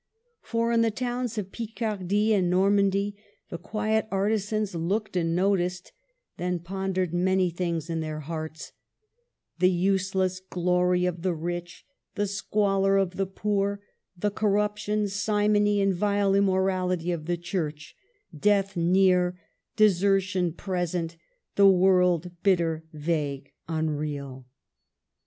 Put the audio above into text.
For in the towns of Picardy and Normandy the quiet artisans looked and noticed, then pon dered many things in their hearts, — the useless glory of the rich, the squalor of the poor, the corruption, simony, and vile immorality of the Church, death near, desertion present, the world bitter, vague, unreal.